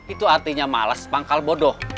itu artinya malas pangkal bodoh